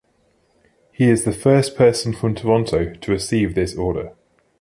He is the first person from Toronto to receive this order.